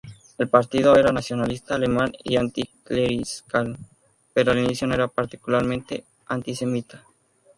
El partido era nacionalista alemán y anticlerical, pero al inicio no era particularmente antisemita.